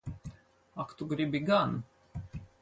Ak tu gribi gan!